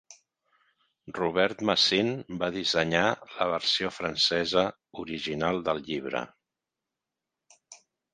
Robert Massin va dissenyar la versió francesa original del llibre.